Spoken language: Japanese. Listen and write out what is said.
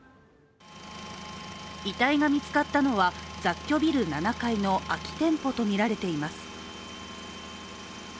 遺体が見つかったのは、雑居ビル７階の空き店舗とみられています。